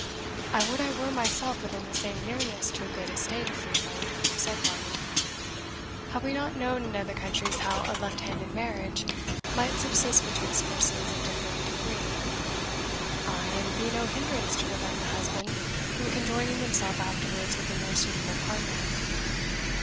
"I would I were myself within the same nearness to a good estate of freehold," said Varney. "Have we not known in other countries how a left handed marriage might subsist betwixt persons of differing degree? ay, and be no hindrance to prevent the husband from conjoining himself afterwards with a more suitable partner?"